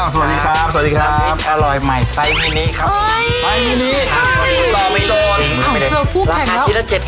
สวัสดีครับ